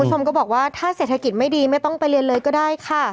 คุณผู้ชมก็บอกว่าถ้าเศรษฐกิจไม่ดีไม่ต้องไปเรียนเลยก็ได้ค่ะ